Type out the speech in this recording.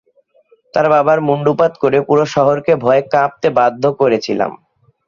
তার বাবার মুন্ডুপাত করে পুরো শহরকে ভয়ে কাঁপতে বাধ্য করেছিলাম।